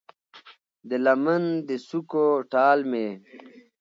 د لمن د څوکو ټال مې